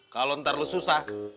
kalau nanti lo susah